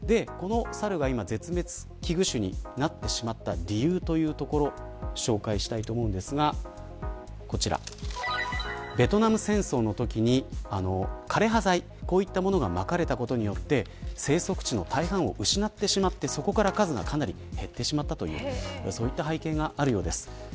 この猿が今、絶滅危惧種になってしまった理由というところ紹介したいと思うんですがこちらベトナム戦争のときに枯れ葉剤、こういったものがまかれたことによって生息地の大半を失ってしまってそこから数がかなり減ってしまったというそういった背景があるようです。